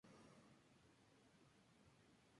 Su hermano Miguel Ángel fue gobernador del Banco de España.